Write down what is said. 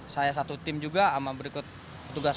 saya satu tim juga sama berikut tugas